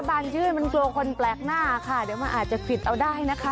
บางชื่อมันกลัวคนแปลกหน้าค่ะเดี๋ยวมันอาจจะผิดเอาได้นะคะ